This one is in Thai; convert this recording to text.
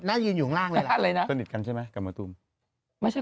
ยืนอยู่ข้างล่างเลยเนอะสนิทกันใช่ไหมกับมะตูมไม่ใช่